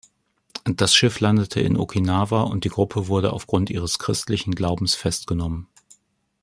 Das Schiff landete in Okinawa und die Gruppe wurde aufgrund ihres christlichen Glaubens festgenommen.